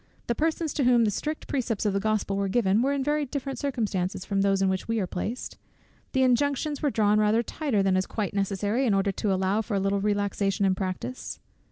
The persons to whom the strict precepts of the Gospel were given, were in very different circumstances from those in which we are placed. The injunctions were drawn rather tighter than is quite necessary, in order to allow for a little relaxation in practice.